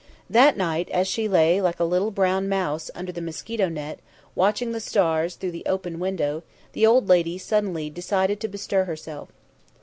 That night, as she lay like a little brown mouse under the mosquito net, watching the stars through the open window, the old lady suddenly decided to bestir herself.